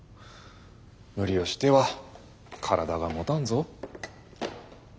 無理をしては体がもたんぞ。